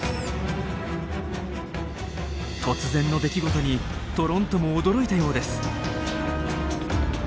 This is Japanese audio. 突然の出来事にトロントも驚いたようです。